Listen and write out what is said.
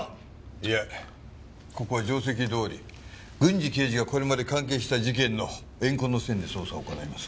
いえここは定石どおり郡侍刑事がこれまで関係した事件の怨恨の線で捜査を行います。